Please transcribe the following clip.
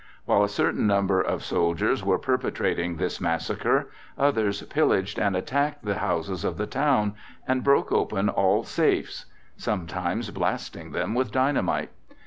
While a certain number of soldiers were perpetrating this massacre, others pillaged and sacked the houses of the town, and broke open all safes, sometimes blasting them with dynamite.